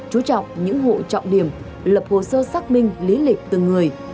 chú trọng những hộ trọng điểm lập hồ sơ xác minh lý lịch từng người